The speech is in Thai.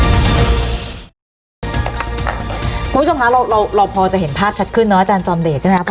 คุณผู้ชมคะเราพอจะเห็นภาพชัดขึ้นเนอะอาจารย์จอมเดชใช่ไหมครับ